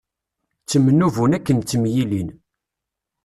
Ttemnubun akken ttemyilin.